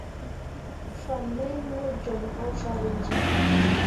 Fan mai mo jon ɓo farenjẽa.